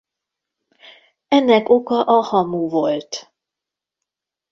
Ennek oka a hamu volt.